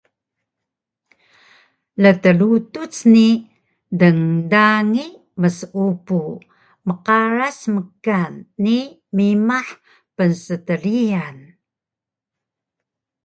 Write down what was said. ltlutuc ni dngdangi mseupu mqaras mkan ni mimah pnstryian